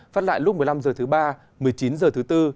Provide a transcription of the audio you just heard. phát lại lúc một mươi năm h thứ ba một mươi chín h thứ tư